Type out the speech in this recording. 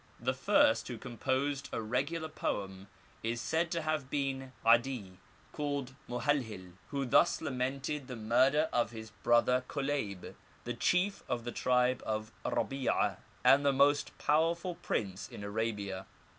The first who composed a regular poem is said to have been 'Adi, called Mohalhil, who thus lamented the murder of his brother Kolayb, the chief of the tribe of Rabf ah, and the most powerful prince in Arabia.